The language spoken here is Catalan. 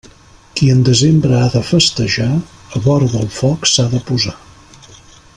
Qui en desembre ha de festejar, vora del foc s'ha de posar.